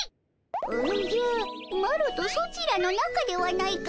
おじゃマロとソチらの仲ではないかの。